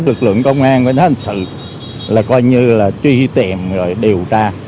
lực lượng công an về hành sự là coi như là truy tìm rồi điều tra